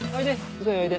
おいで。